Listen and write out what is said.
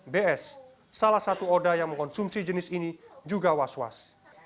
bs salah satu oda yang mengkonsumsi jenis ini juga was was